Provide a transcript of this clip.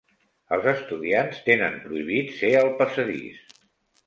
Els estudiants tenen prohibit ser al passadís.